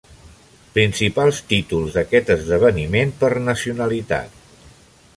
Principals títols d'aquest esdeveniment, per nacionalitat.